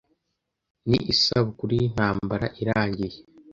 Ni isabukuru y'intambara irangiye.